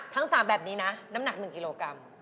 ทั้ง๓แบบนี้นะน้ำหนัก๑กิโลกรัม